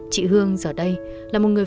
chị hương giờ đây là một người